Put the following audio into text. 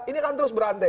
ini kan terus berandai